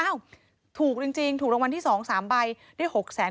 ถูกจริงถูกรางวัลที่๒๓ใบได้๖แสน